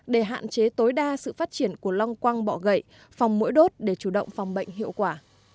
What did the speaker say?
để hạn chế tối đa sự phát triển của long quăng bọ gậy phòng mũi đốt để chủ động phòng bệnh hiệu quả